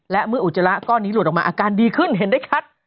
และเมื่ออุจจาระก้อนนี้หลุดออกมาอาการดีขึ้นเห็นได้ชัด